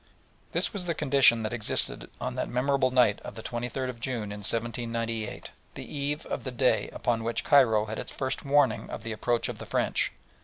This was the condition that existed on that memorable night of the 23rd of June in 1798, the eve of the day upon which Cairo had its first warning of the approach of the French.